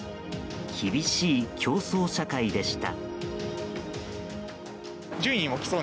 厳しい競争社会でした。